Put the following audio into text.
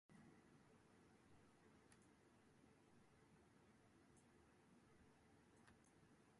This indicates that they faced challenges in maintaining consistent and satisfactory product standards.